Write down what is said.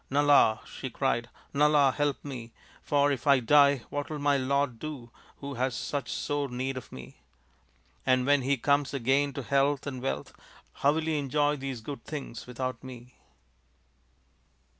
"Nala," she cried, "Nala, help me! For if I die what will my lord do who has such sore need of me ? And when he comes again to health and wealth how will he enjoy these good things without me